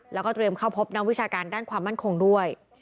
แล้วก็เตรียมเข้าพบนักวิชาการด้านความมั่นคงด้วย